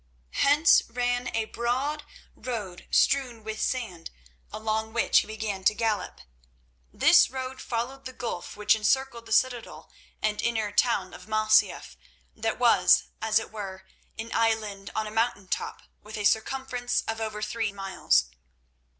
Hence ran a broad road strewn with sand, along which he began to gallop. This road followed the gulf which encircled the citadel and inner town of Masyaf, that was, as it were, an island on a mountain top with a circumference of over three miles.